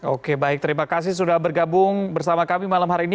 oke baik terima kasih sudah bergabung bersama kami malam hari ini